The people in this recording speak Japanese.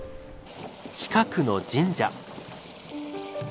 近くの神社。